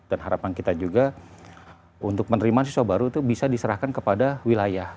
dan harapan kita juga untuk menerima siswa baru itu bisa diserahkan kepada wilayah